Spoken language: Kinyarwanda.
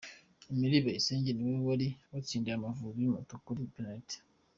Emery Bayisenge, ni we wari watsindiye Amavubi mato kuri Penaliti.